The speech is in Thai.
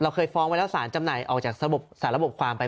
เคยฟ้องไว้แล้วสารจำหน่ายออกจากสารระบบความไป